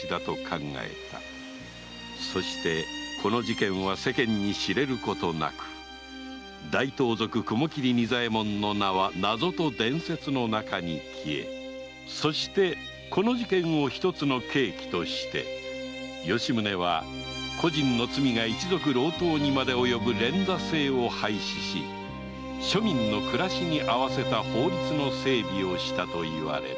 そしてこの事件は世間に知れることなく大盗賊・雲切仁左衛門の名は謎と伝説の中に消えそしてこの事件を一つの契機として吉宗は個人の罪が一族郎党にまでおよぶ連座制を廃止し庶民の暮らしに合わせた法律の整備をしたといわれる